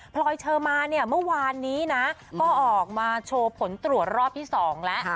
พลอยเชอร์มาเนี่ยเมื่อวานนี้นะก็ออกมาโชว์ผลตรวจรอบที่๒แล้ว